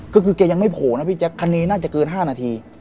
ก็คือแกยังไม่โผล่นะพี่แจ๊คคณีน่าจะเกิน๕นาที